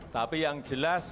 tapi yang jelas